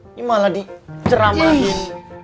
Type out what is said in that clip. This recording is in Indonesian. ini malah diceramahin